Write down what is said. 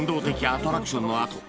アトラクションのあと